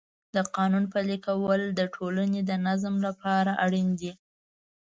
د قانون پلي کول د ټولنې د نظم لپاره اړین دی.